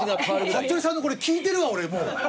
服部さんのこれ聞いてるわ俺もう何回も。